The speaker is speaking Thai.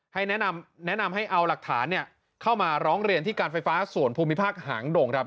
แนะนำให้เอาหลักฐานเข้ามาร้องเรียนที่การไฟฟ้าส่วนภูมิภาคหางดงครับ